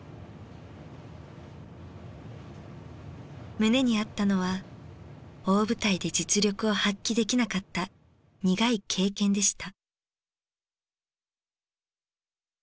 胸にあったのは大舞台で実力を発揮できなかった苦い経験でした。